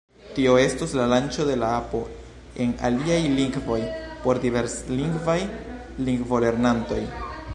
Tio estos la lanĉo de la apo en aliaj lingvoj, por diverslingvaj lingvolernantoj.